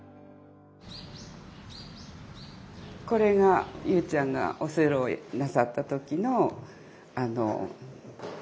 これが優ちゃんが「オセロー」をなさった時のチラシ。